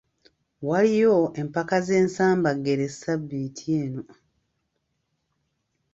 Waliyo empaka z'ensambaggere ssabbiiti eno.